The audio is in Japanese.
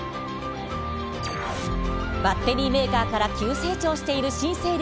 バッテリーメーカーから急成長している新勢力